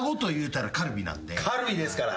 カルビですから。